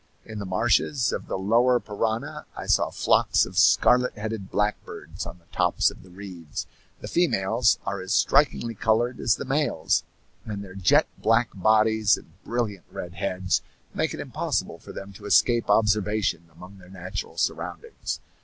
In the marshes of the lower Parana I saw flocks of scarlet headed blackbirds on the tops of the reeds; the females are as strikingly colored as the males, and their jet black bodies and brilliant red heads make it impossible for them to escape observation among their natural surroundings.